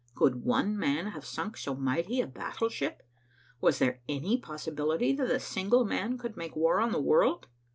Could one man have sunk so mighty a battleship? Was there any possibility that a single man could make war on the world?